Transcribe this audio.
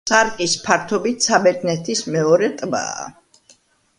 სარკის ფართობით საბერძნეთის მეორე ტბაა.